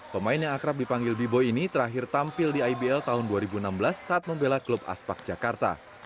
pemain yang akrab dipanggil bibo ini terakhir tampil di ibl tahun dua ribu enam belas saat membela klub aspak jakarta